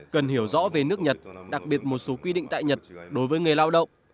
cần hiểu rõ về nước nhật đặc biệt một số quy định tại nhật đối với người lao động